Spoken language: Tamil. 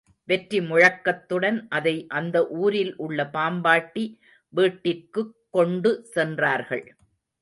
வெற்றி முழக்கத்துடன், அதை அந்த ஊரில் உள்ள பாம்பாட்டி வீட்டிற்குக் கொண்டு சென்றார்கள்.